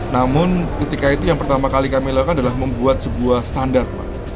namun ketika itu yang pertama kali kami lakukan adalah membuat sebuah standar